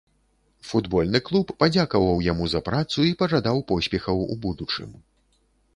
Футбольны клуб падзякаваў яму за працу і пажадаў поспехаў у будучым.